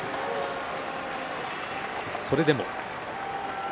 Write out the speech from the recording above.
それでも。